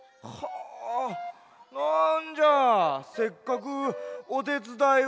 あなんじゃせっかくおてつだいをしているよ